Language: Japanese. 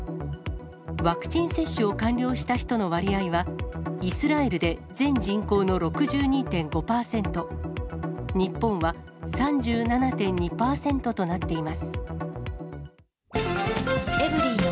ワクチン接種を完了した人の割合は、イスラエルで全人口の６２．５％、日本は３７．２％となっています。